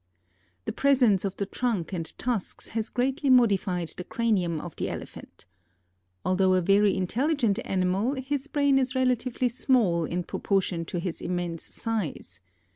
The presence of the trunk and tusks has greatly modified the cranium of the Elephant. Although a very intelligent animal, his brain is relatively small in proportion to his immense size.